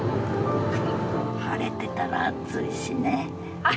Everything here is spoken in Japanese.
晴れてたら暑いしね。